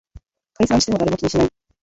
解散しても誰も気にしない